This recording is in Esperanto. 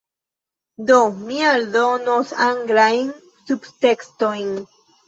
Do, mi aldonos anglajn subtekstojn